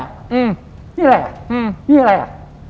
อันนี้อะไรอ่ะ